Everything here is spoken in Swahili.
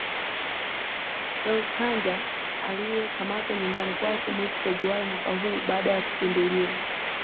dou tanja aliekamatwa nyumbani kwake mwezi februari mwaka huu baada ya kupinduliwa